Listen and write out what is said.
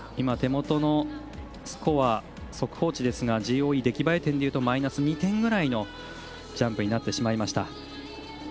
手元のスコア速報値ですがＧＯＥ出来栄え点でいうとマイナス２点ぐらいのジャンプになってしまいました。